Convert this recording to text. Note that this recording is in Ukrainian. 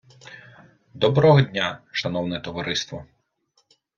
Доброго дня, шановне товариство!